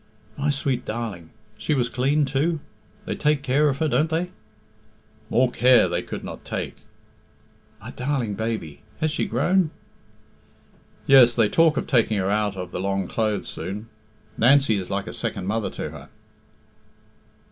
"My sweet darling! She was clean too? They take care of her, don't they?" "More care they could not take." "My darling baby! Has she grown?" "Yes; they talk of taking her out of the long clothes soon. Nancy is like a second mother to her."